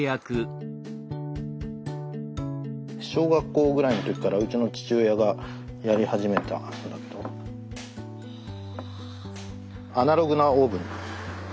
小学校ぐらいの時からうちの父親がやり始めたことだけど「アナログなオーブン」。